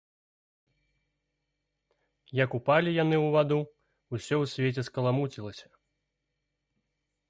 Як упалі яны ў ваду, усё ў свеце скаламуцілася.